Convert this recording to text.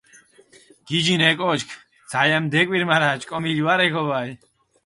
გიჯინ ე კოჩქ, ძალამი დეკვირ, მარა ჭკომილი ვარე ქობალი.